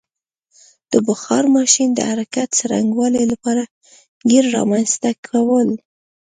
د بخار ماشین د حرکت څرنګوالي لپاره ګېر رامنځته کول.